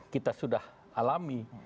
kita sudah alami